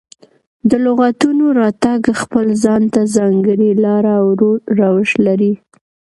د لغتونو راتګ خپل ځان ته ځانګړې لاره او روش لري.